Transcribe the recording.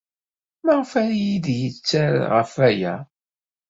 Maɣef ara iyi-d-yetter ɣef waya?